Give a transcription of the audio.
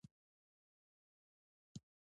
د ساحې لیول کاري هم باید ترسره شي